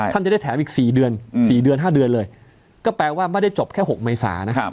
ท่านจะได้แถมอีก๔เดือน๔เดือน๕เดือนเลยก็แปลว่าไม่ได้จบแค่๖เมษานะ